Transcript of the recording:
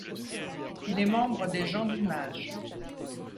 Il est membre des Gens d'Images.